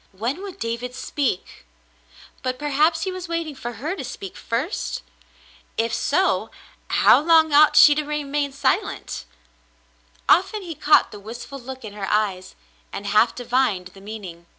When would David speak ? But perhaps he was waiting for her to speak first ? If so, how long ought she to remain silent ? Often he caught the wistful look in her eyes, and half divined the meaning.